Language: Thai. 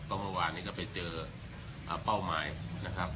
ก็เมื่อวานนี้ก็ไปเจอเป้าหมายนะครับ